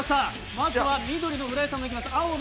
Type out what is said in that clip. まずは緑の浦井さんがいきます。